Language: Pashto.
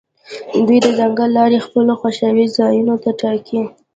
دوی د ځنګل لارې خپلو خوښې ځایونو ته ټاکي